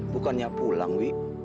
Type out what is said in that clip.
bukannya pulang wi